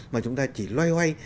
mà chúng ta chỉ loay hoay